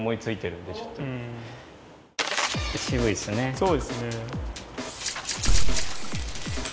そうですね。